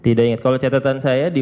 tidak ingat kalau catatan saya di